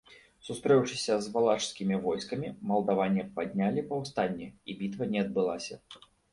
Сустрэўшыся з валашскімі войскамі, малдаване паднялі паўстанне, і бітва не адбылася.